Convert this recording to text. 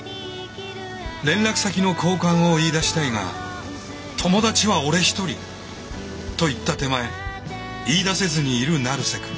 連絡先の交換を言いだしたいが「友達は俺ひとり」と言った手前言いだせずにいる成瀬くん。